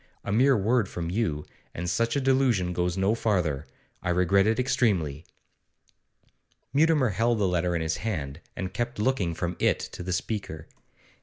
A mere word from you, and such a delusion goes no farther. I regret it extremely.' Mutimer held the letter in his hand, and kept looking from it to the speaker.